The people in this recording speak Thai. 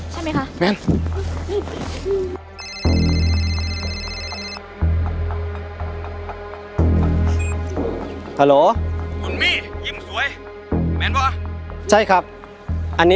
ใช่ไหมค่ะแม่น